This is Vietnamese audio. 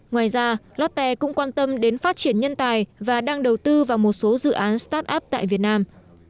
ngoài ra lotte cũng quan tâm đến phát triển nhân tài và đang đầu tư vào một số dự án start up tại việt nam